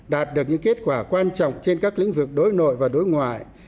đạt được những kết quả quan trọng trên các lĩnh vực đối nội và đối ngoại